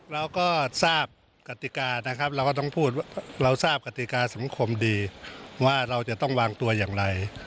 เราก็ทราบกติกานะครับเราก็ต้องพูดว่าเราทราบกติกาสังคมดีว่าเราจะต้องวางตัวอย่างไร